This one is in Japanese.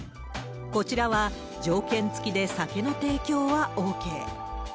こちらは条件付きで酒の提供はＯＫ。